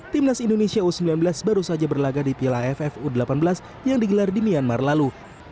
timnas indonesia u sembilan belas baru saja berlaga di piala aff u delapan belas yang digelar di myanmar lalu